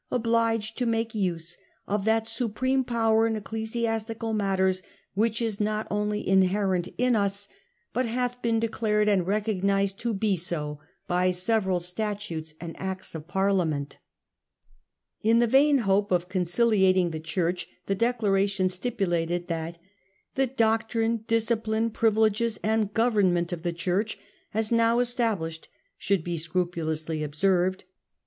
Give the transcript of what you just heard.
Smg * obliged to make use of that supreme power in ecclesiastical matters which is not only inherent in Us, but hath been declared and recognised to be so by several statutes and Acts of Parliament.' In the vain hope of conciliating the Church, the declaration stipulated that the 4 doctrine, discipline, privileges, and government of the Church as now established ' should be scrupulously observed.